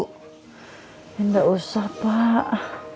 tidak usah pak